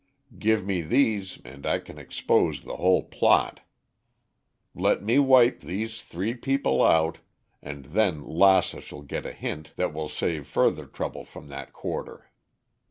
Give me these and I can expose the whole plot. Let me wipe these three people out, and then Lassa shall get a hint that will save further trouble from that quarter.